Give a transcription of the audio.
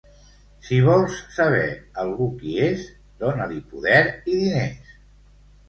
Si vols saber algú qui és, dona-li poder i diners.